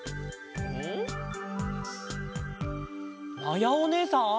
まやおねえさん